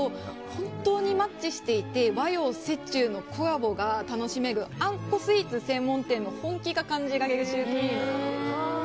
本当にマッチしていて和洋折衷のコラボが楽しめるあんこスイーツ専門店の本気が感じられる